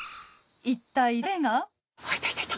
一体誰が？